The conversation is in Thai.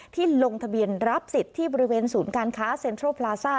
ลงทะเบียนรับสิทธิ์ที่บริเวณศูนย์การค้าเซ็นทรัลพลาซ่า